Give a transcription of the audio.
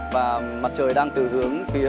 và mặt trời đang từ hướng phía